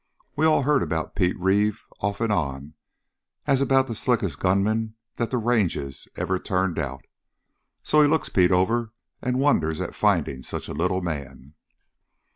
We all heard about Pete Reeve, off and on, as about the slickest gunman that the ranges ever turned out. So he looks Pete over and wonders at finding such a little man."